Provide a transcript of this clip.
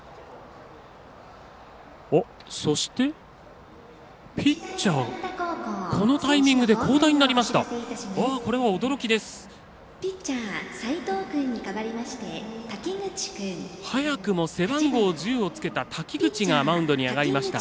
そして、ピッチャーこのタイミングで交代になりました。